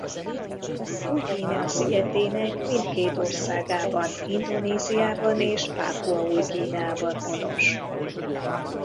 Új-Guinea szigetének mindkét országában Indonéziában és Pápua Új-Guineában honos.